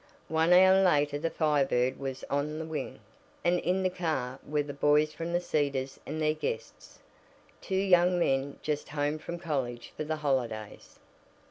One hour later the Fire Bird was "on the wing," and in the car were the boys from The Cedars and their guests, two young men just home from college for the holidays.